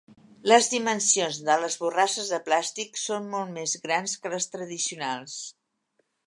Les dimensions de les borrasses de plàstic són molt més grans que les tradicionals.